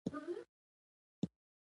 سوړ باد دباندې چلېده.